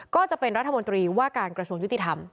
ก็จะเป็นรัฐมนตรีว่าการกระทรวงยุติธรรม